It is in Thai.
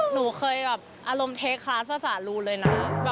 หนูเคยแบบอารมณ์เทคคลาสภาษารูเลยนะ